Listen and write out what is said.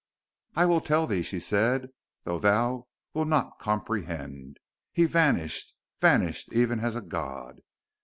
"I will tell thee," she said; "though thou wilt not comprehend. He vanished. Vanished, even as a god.